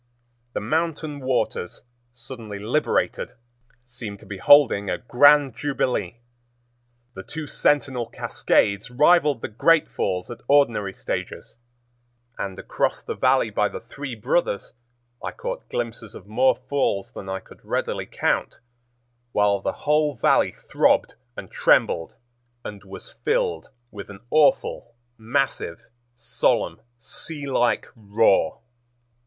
The mountain waters, suddenly liberated, seemed to be holding a grand jubilee. The two Sentinel Cascades rivaled the great falls at ordinary stages, and across the Valley by the Three Brothers I caught glimpses of more falls than I could readily count; while the whole Valley throbbed and trembled, and was filled with an awful, massive, solemn, sea like roar.